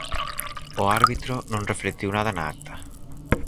O árbitro non reflectiu nada na acta.